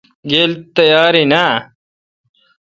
گیل تیاراین آ؟